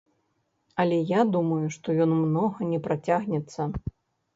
Але я думаю, што ён многа не працягнецца.